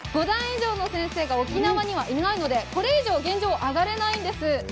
５段以上の先生が沖縄にはいないので、これ以上、現状上がれないんです。